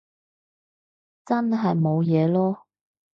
真係冇嘢囉